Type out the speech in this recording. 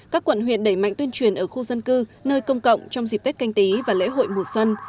các quận huyện đẩy mạnh tuyên truyền ở khu dân cư nơi công cộng trong dịp tết canh tí và lễ hội mùa xuân